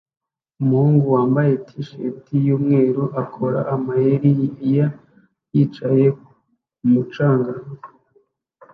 Umuhungu wambaye t-shirt yumweru akora amayeri ya yicaye kumu canga